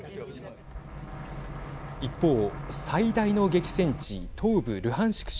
一方、最大の激戦地東部ルハンシク